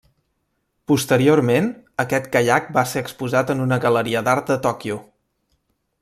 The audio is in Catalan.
Posteriorment, aquest Caiac va ser exposat en una galeria d'art de Tòquio.